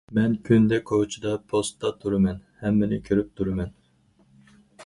مەن كۈندە كوچىدا پوستتا تۇرىمەن، ھەممىنى كۆرۈپ تۇرىمەن.